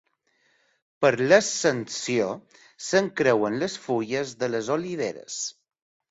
Per l'Ascensió, s'encreuen les fulles de les oliveres.